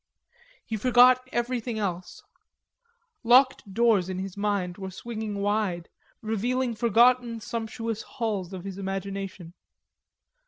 He forgot everything else. Locked doors in his mind were swinging wide, revealing forgotten sumptuous halls of his imagination.